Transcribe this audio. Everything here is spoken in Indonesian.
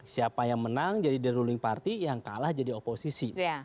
siapa yang menang jadi the ruling party yang kalah jadi oposisi